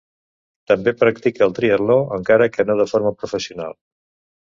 També practica el triatló, encara que no de forma professional.